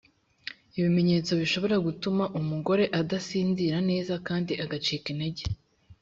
ibimenyetso bishobora gutuma umugore adasinzira neza kandi agacika intege.